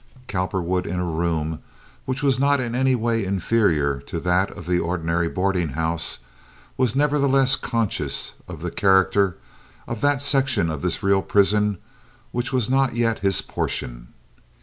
Cowperwood, in a room which was not in any way inferior to that of the ordinary boarding house, was nevertheless conscious of the character of that section of this real prison which was not yet his portion.